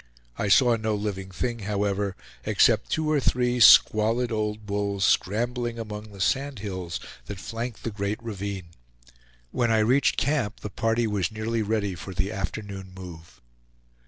I saw no living thing, however, except two or three squalid old bulls scrambling among the sand hills that flanked the great ravine. When I reached camp the party was nearly ready for the afternoon move.